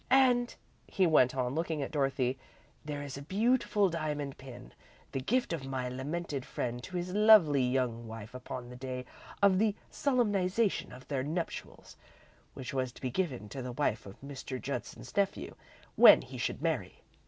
"And," he went on, looking at Dorothy, "there is a very beautiful diamond pin, the gift of my lamented friend to his lovely young wife upon the day of the solemnisation of their nuptials, which was to be given to the wife of Mr. Judson's nephew when he should marry.